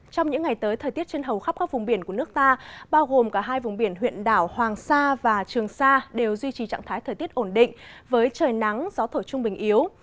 trong những ngày tới thời tiết trên hầu khắp các vùng biển của nước ta bao gồm cả hai vùng biển huyện đảo hoàng sa và trường sa đều duy trì trạng thái thời tiết ổn định với trời nắng gió thổi trung bình yếu